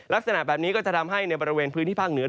ลักษณะแบบนี้ก็จะทำให้ในบริเวณพื้นที่ภาคเหนือ